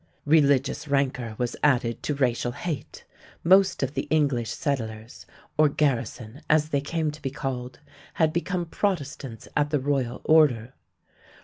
Religious rancor was added to racial hate. Most of the English settlers, or "garrison," as they came to be called, had become Protestants at the royal order.